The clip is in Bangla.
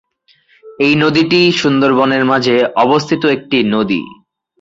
এই নদীটি সুন্দরবনের মাঝে অবস্থিত একটি নদী।